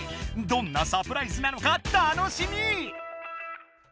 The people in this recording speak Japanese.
どんなサプライズなのか楽しみ！